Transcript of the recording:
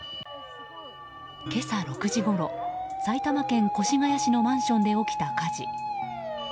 今朝６時ごろ、埼玉県越谷市のマンションで起きた火事。